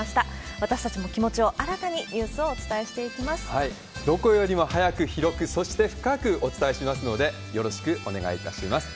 私たちも気持ちを新たに、どこよりも早く広く、そして深くお伝えしますので、お願いします。